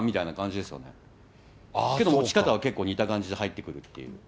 でも、持ち方は結構、似た感じで入ってくるし。